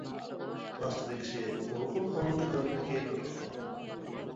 ئاستىدىكىسى ئورخۇن خانلىقى دەۋرىدىكى بىر خان.